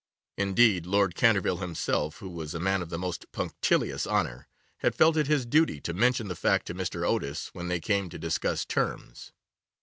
Indeed, Lord Canterville himself, who was a man of the most punctilious honour, had felt it his duty to mention the fact to Mr. Otis when they came to discuss terms.